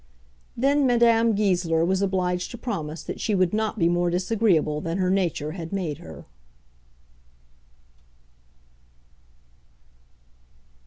Then Madame Goesler was obliged to promise that she would not be more disagreeable than her nature had made her.